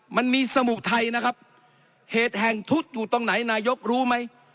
มันมีสมุกไทยนะครับเหตุแห่งทุกข์อยู่ตรงไหนนายกรู้ไหม